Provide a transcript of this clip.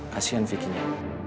kasian vicky nya